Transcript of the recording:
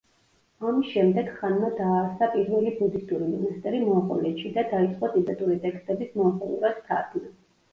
ამის შემდეგ ხანმა დააარსა პირველი ბუდისტური მონასტერი მონღოლეთში და დაიწყო ტიბეტური ტექსტების მონღოლურად თარგმნა.